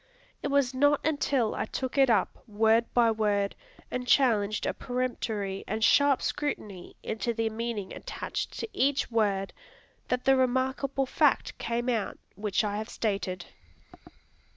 It was not until I took it up, word by word, and challenged a peremptory and sharp scrutiny into the meaning attached to each word, that the remarkable fact came out which I have stated.